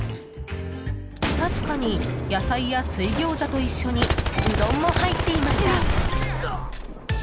確かに野菜や水餃子と一緒にうどんも入っていました。